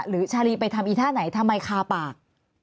หรือชาลีไปทำอีกท่าไหนทำไมคาร์ปาก